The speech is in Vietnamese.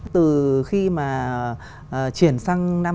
từ khi mà chuyển xăng e năm